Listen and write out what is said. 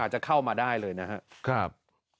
จะเข้ามาได้เลยนะครับ